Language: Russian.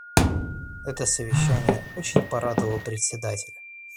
Это Совещание очень порадовало Председателя.